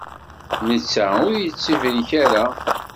Netta ur yettibrik ara.